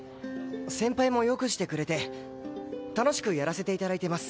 先輩も良くしてくれて楽しくやらせて頂いてます。